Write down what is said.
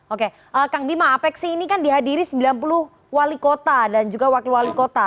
oke kang bima apeksi ini kan dihadiri sembilan puluh wali kota dan juga wakil wali kota